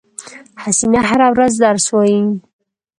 حسینه هره ورځ درس وایی